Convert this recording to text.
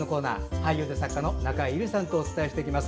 俳優で作家の中江有里さんとお伝えしていきます。